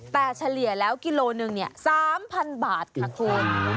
แต่เฉลี่ยแล้วกิโลหนึ่ง๓๐๐บาทค่ะคุณ